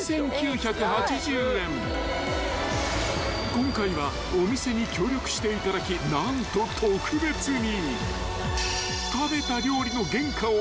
［今回はお店に協力していただき何と特別に］